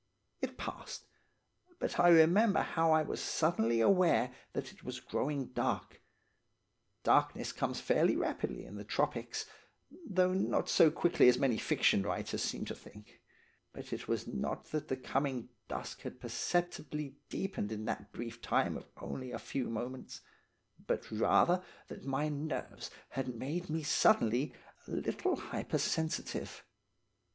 It passed, but I remember how I was suddenly aware that it was growing dark. Darkness comes fairly rapidly in the tropics, though not so quickly as many fiction writers seem to think; but it was not that the coming dusk had perceptibly deepened in that brief time of only a few moments, but rather that my nerves had made me suddenly a little hypersensitive.